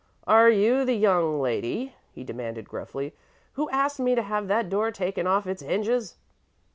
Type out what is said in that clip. "Are you the young lady," he demanded gruffly, "who asked me to have that door taken off its hinges?"